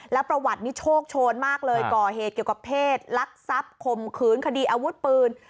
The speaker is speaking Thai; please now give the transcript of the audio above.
แล้วประวัตินี้โชคโชนมากเลยก่อเหตุเกี่ยวกับเพศลักทรัพย์ข่มขืนคดีอาวุธปืน